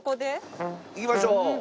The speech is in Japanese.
行きましょう！